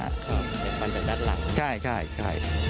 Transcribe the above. แอบฟันจากด้านหลังใช่